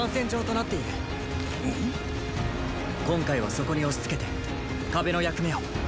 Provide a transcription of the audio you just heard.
今回はそこに押し付けて壁の役目を。